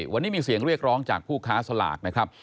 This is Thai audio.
วันนี้มีเสียงเรียกร้องจากผู้ค้าสลากนะครับ